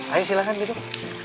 ayo silahkan duduk